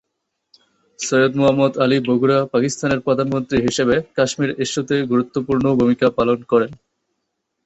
সৈয়দ মোহাম্মদ আলী বগুড়া পাকিস্তানের প্রধানমন্ত্রী হিসেবে কাশ্মীর ইস্যুতে গুরুত্বপূর্ণ ভূমিকা পালন করেন।